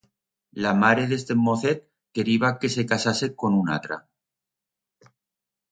La mare d'este mocet queriba que se casase con una atra.